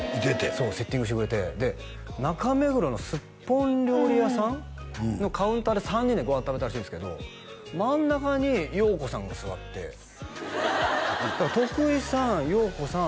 そうセッティングしてくれてで中目黒のスッポン料理屋さんのカウンターで３人でご飯食べたらしいんですけど真ん中によう子さんが座って徳井さんよう子さん